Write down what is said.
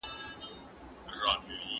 د سیند غاړې ته ناسته روح ته سکون ورکوي.